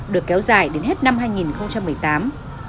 được kéo dài đến hết năm hai nghìn một mươi tám